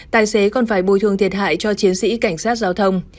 tài xế còn phải bồi thường thiệt hại cho chiến sĩ cảnh sát giao thông